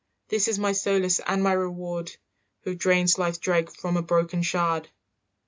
"This is my solace and my reward, Who have drained life's dregs from a broken shard."